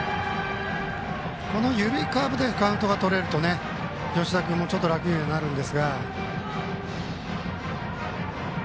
緩いカーブでカウントがとれると吉田君も楽にはなるんですが。